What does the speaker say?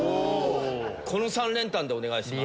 この３連単でお願いします。